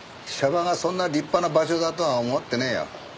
娑婆がそんな立派な場所だとは思ってねえよ。